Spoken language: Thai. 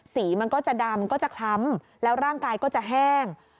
สีมันก็จะดำก็จะคล้ำแล้วร่างกายก็จะแห้ง